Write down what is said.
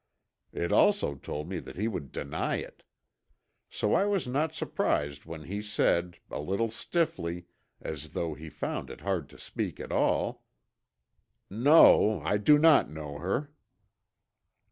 It also told me that he would deny it. So I was not surprised when he said, a little stiffly, as though he found it hard to speak at all: "No, I do not know her."